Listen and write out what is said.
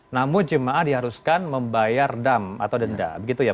namun jemaah diharuskan membayar dam atau denda